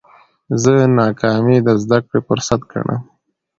زه ناکامي د زده کړي فرصت ګڼم.